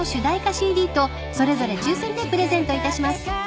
ＣＤとそれぞれ抽選でプレゼントいたします］